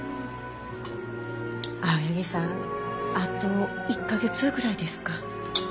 青柳さんあと１か月ぐらいですか？